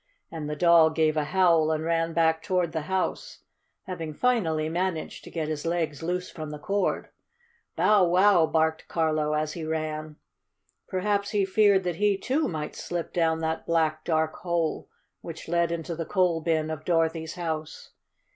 And the dog gave a howl and ran back toward the house, having finally managed to get his legs loose from the cord. "Bow wow!" barked Carlo, as he ran. Perhaps he feared that he, too, might slip down that black, dark hole which led into the coal bin of Dorothy's house.